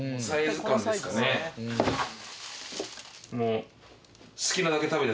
もう。